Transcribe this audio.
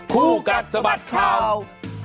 ผู้กัดสบัดข่าว